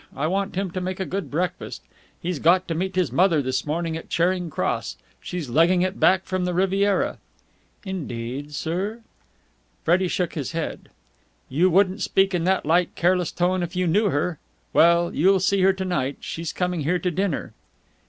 I want him to make a good breakfast. He's got to meet his mother this morning at Charing Cross. She's legging it back from the Riviera." "Indeed, sir?" Freddie shook his head. "You wouldn't speak in that light, careless tone if you knew her! Well, you'll see her to night. She's coming here to dinner."